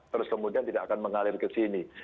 terus kemudian tidak akan mengalir ke sini